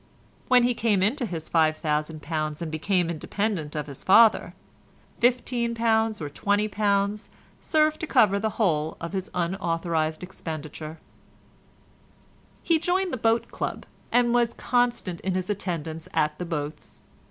When he came into his £5000 and became independent of his father, £15 or £20 served to cover the whole of his unauthorised expenditure. He joined the boat club, and was constant in his attendance at the boats.